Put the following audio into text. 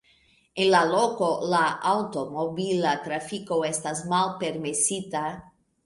En la loko la aŭtomobila trafiko estas malpermesita.